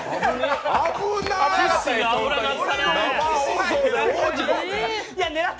危なっ！